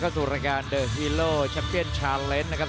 ทุกท่านทุกท่านทุกท่าน